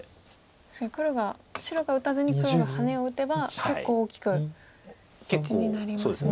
確かに黒が白が打たずに黒がハネを打てば結構大きく地になりますね。